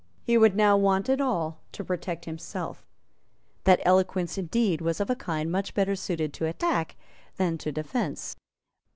He would now want it all to protect himself. That eloquence indeed was of a kind much better suited to attack than to defence.